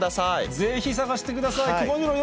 ぜひ探してください。